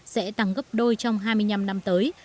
sẽ tăng gấp đôi trong hai mươi năm năm tới